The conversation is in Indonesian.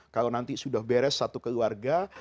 kalau nanti sudah beres satu keluarga